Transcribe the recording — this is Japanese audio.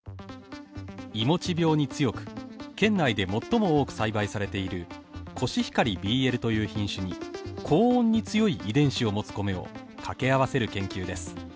いもち病に強く県内で最も多く栽培されているコシヒカリＢＬという品種に高温に強い遺伝子を持つ米をかけ合わせる研究です。